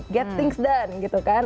get things done gitu kan